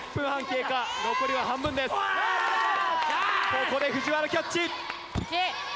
ここで藤原キャッチ！